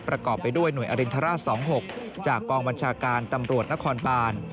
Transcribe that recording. ประกอบไปด้วยหน่วยอรินทราช๒๖จากกองบัญชาการตำรวจนครบาน